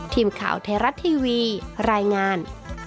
ทีมข่าวไทยรัฐทีวีรายงาน